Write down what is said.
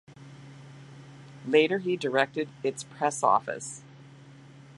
Later he directed its press office.